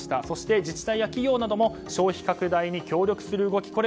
そして自治体や企業なども消費拡大に協力する動き